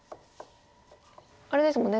あれですもんね